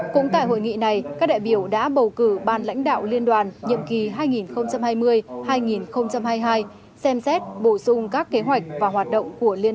cũng tại hội nghị này các đại biểu đã bầu cử ban lãnh đạo liên đoàn nhiệm kỳ hai nghìn hai mươi hai nghìn hai mươi hai xem xét bổ sung các kế hoạch và hoạt động của liên